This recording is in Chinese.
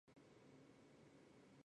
一起聚集与交流